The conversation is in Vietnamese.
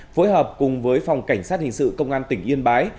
phối hợp cùng với phòng cảnh sát hình sự công an tỉnh yên bái